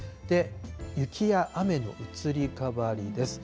雪や雨の移り変わりです。